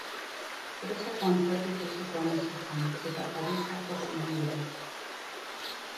Greziako antzerki klasikoan hezi zen, eta Parisa jo zuen gero.